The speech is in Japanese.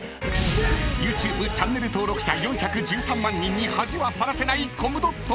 ［ＹｏｕＴｕｂｅチャンネル登録者４１３万人に恥はさらせないコムドット。